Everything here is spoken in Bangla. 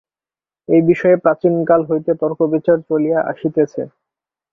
এই বিষয়ে প্রাচীনকাল হইতে তর্ক-বিচার চলিয়া আসিতেছে।